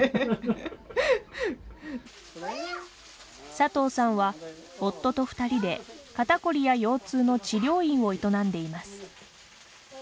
佐藤さんは、夫と２人で肩こりや腰痛の治療院を営んでいます。